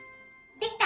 できた！